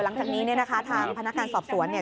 หลังจากนี้เนี่ยนะคะทางพนักงานสอบสวนเนี่ย